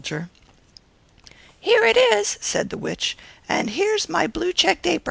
"Here it is," replied the witch; "and here is my blue checked apron."